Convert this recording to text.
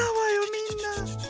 みんな。